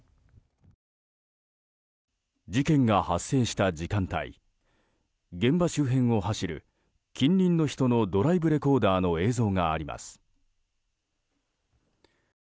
事件が発生した時間帯現場周辺を走る近隣の人のドライブレコーダーの映像があります。